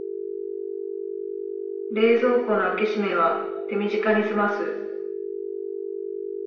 冷蔵庫の開け閉めは手短にすます